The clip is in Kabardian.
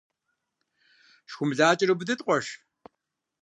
ШхуэмылакӀэр убыдыт, къуэш.